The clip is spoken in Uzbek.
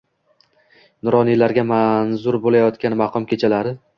Nuroniylarga manzur bo‘layotgan "Maqom kechalari"